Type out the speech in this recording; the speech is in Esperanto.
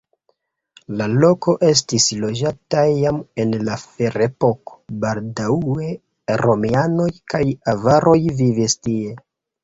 La loko estis loĝata jam en la ferepoko, baldaŭe romianoj kaj avaroj vivis tie.